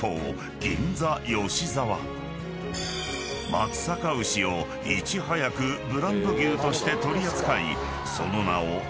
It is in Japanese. ［松阪牛をいち早くブランド牛として取り扱い］